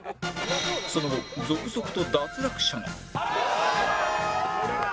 その後続々と脱落者が